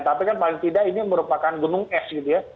tapi kan paling tidak ini merupakan gunung es gitu ya